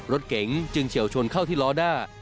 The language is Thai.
รถเก๋งจึงเฉียวชนเข้าที่ล้อหน้า